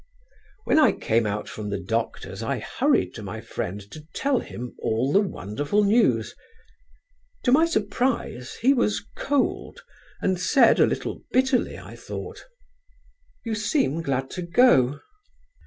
"When I came out from the doctor's I hurried to my friend to tell him all the wonderful news. To my surprise he was cold and said, a little bitterly, I thought: "'You seem glad to go?'